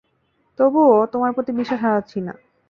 তবুও, তোমার প্রতি বিশ্বাস হারাচ্ছি না।